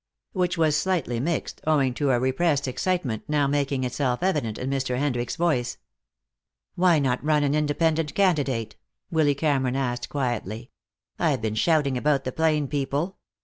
Which was slightly mixed, owing to a repressed excitement now making itself evident in Mr. Hendricks's voice. "Why not run an independent candidate?" Willy Cameron asked quietly. "I've been shouting about the plain people.